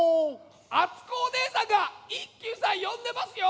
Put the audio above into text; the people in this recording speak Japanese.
あつこおねえさんが一休さんよんでますよ。